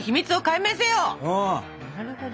なるほど。